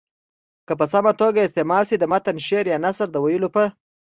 که په سمه توګه استعمال سي د متن شعر یا نثر د ویلو په